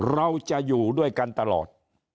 เราจะอยู่ด้วยกันตลอด